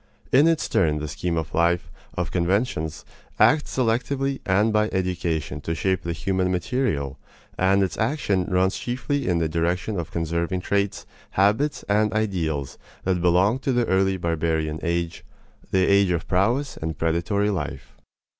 In its turn the scheme of life, of conventions, acts selectively and by education to shape the human material, and its action runs chiefly in the direction of conserving traits, habits, and ideals that belong to the early barbarian age the age of prowess and predatory life.